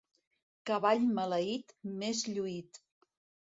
Cavall maleït, més lluït.